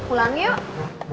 tapi kalau koges baik baik aja